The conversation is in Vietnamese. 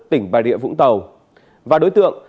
tỉnh bài địa vũng tàu và đối tượng